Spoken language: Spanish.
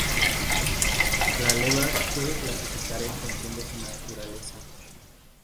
Las levas se pueden clasificar en función de su naturaleza.